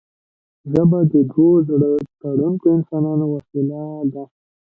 ژبه د دوو زړه تړونکو انسانانو واسطه ده